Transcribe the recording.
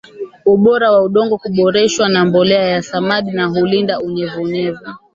ubora wa udongo huboreshwa na mbolea ya samadi na hulinda unyevu unyevu